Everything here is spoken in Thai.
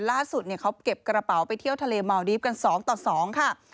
ล่าสุดเขาเก็บกระเป๋าไปเที่ยวทะเลเมาดีฟกัน๒ต่อ๒ค่ะ